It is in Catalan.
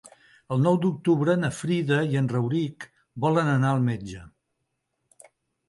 El nou d'octubre na Frida i en Rauric volen anar al metge.